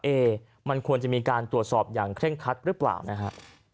เอ๊มันควรจะมีการตรวจสอบอย่างเคร่งคัดหรือเปล่านะฮะ